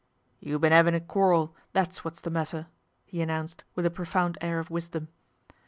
" You been 'avin' a quarrel, that's what's the natter," he announced with a profound air of visdom.